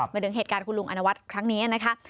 เป็นดึงเหตุการณ์คุณลุงอาณาวัตรครั้งนี้นะคะ